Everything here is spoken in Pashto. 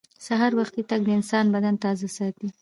سهار وختي تګ د انسان بدن تازه ساتي